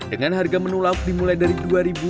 dengan harga menu lauk dimulai dari rp dua